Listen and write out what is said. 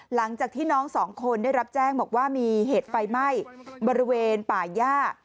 หลังจากที่น้องสองคนได้รับแจ้งบอกว่ามีเหตุไฟไหม้บริเวณป่าย่า